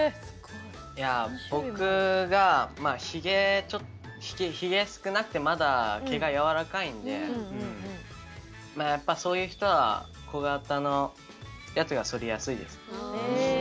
僕が、ひげ少なくてまだ毛がやわらかいのでそういう人は小型のやつが剃りやすいです。